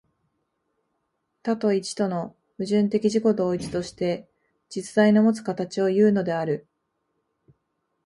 多と一との矛盾的自己同一として、実在のもつ形をいうのである。